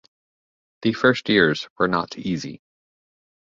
The first years were not easy.